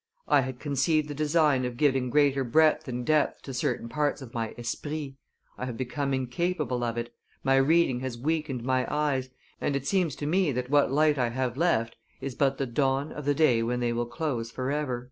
"I had conceived the design of giving greater breadth and depth to certain parts of my Esprit; I have become incapable of it; my reading has weakened my eyes, and it seems to me that what light I have left is but the dawn of the day when they will close forever."